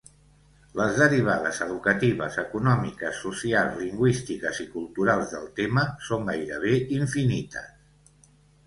Les derivades educatives, econòmiques, socials, lingüístiques i culturals del tema són gairebé infinites.